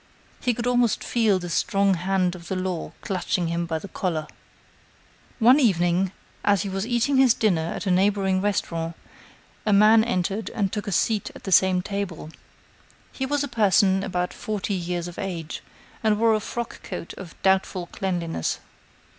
He could almost feel the strong hand of the law clutching him by the collar. One evening, as he was eating his dinner at a neighboring restaurant, a man entered and took a seat at the same table. He was a person about forty years of age, and wore a frock coat of doubtful cleanliness.